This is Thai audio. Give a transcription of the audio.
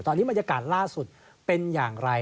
ตอนนี้บรรยากาศล่าสุดเป็นอย่างไร